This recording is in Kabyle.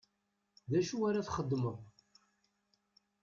D acu ara txedmeḍ?